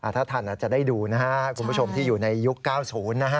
ถ้าท่านอาจจะได้ดูนะฮะคุณผู้ชมที่อยู่ในยุค๙๐นะฮะ